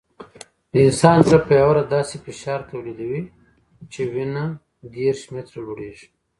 د انسان زړه په یوه ورځ داسې فشار تولیدوي چې وینه دېرش متره لوړېږي.